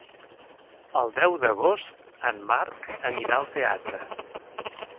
El deu d'agost en Marc anirà al teatre.